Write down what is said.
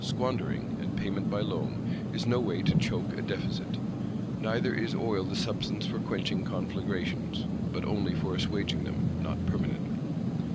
Squandering, and Payment by Loan is no way to choke a Deficit. Neither is oil the substance for quenching conflagrations;—but, only for assuaging them, not permanently!